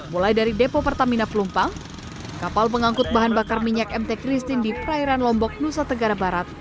mulai dari depo pertamina pelumpang kapal pengangkut bahan bakar minyak mt christine di perairan lombok nusa tenggara barat